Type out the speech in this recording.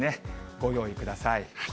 ご用意ください。